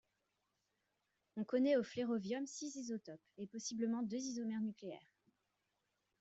On connaît au flérovium six isotopes, et possiblement deux isomères nucléaires.